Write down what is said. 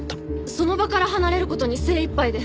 その場から離れる事に精いっぱいで。